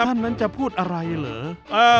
ท่านนั้นจะพูดอะไรเหรอ